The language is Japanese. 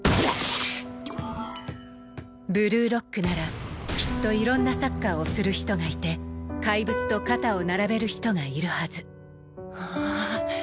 ブルーロックならきっといろんなサッカーをする人がいてかいぶつと肩を並べる人がいるはず